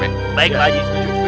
baik pak haji